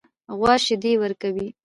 غوا شیدې ورکوي.